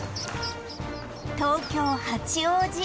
東京八王子